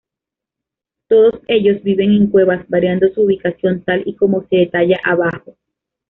Todos ellos viven en cuevas, variando su ubicación tal y cómo se detalla abajo.